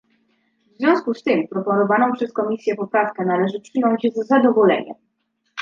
W związku z tym proponowaną przez Komisję poprawkę należy przyjąć z zadowoleniem